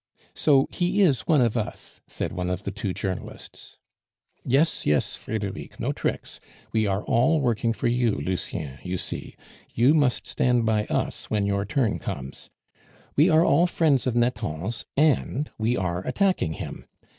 "So he is one of us?" said one of the two journalists. "Yes, yes, Frederic; no tricks. We are all working for you, Lucien, you see; you must stand by us when your turn comes. We are all friends of Nathan's, and we are attacking him.